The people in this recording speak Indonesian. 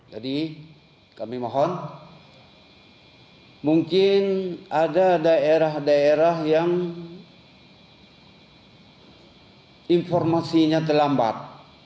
jadi kami mohon mungkin ada daerah daerah yang informasinya terlambat